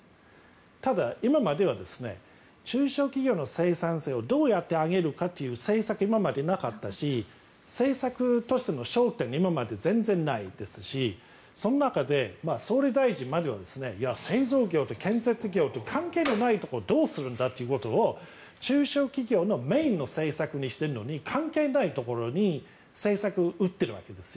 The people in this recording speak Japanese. ただ、今までは中小企業の生産性をどうやって上げるかという政策が今までなかったし政策としての焦点今まで全然ないですしその中で総理大臣までは製造業と建設業と関係のないところをどうするんだということを中小企業のメインの政策にしているのに関係ないところに政策を打ってるわけですよ。